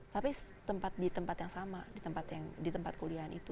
tapi di tempat yang sama di tempat kuliahan itu